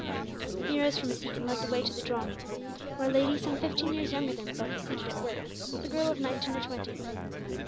He rose from his seat and led the way to the drawing room, where a lady some fifteen years younger than himself was seated at work, with a girl of nineteen or twenty.